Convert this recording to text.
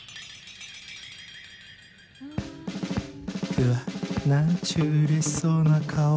うわ何ちゅううれしそうな顔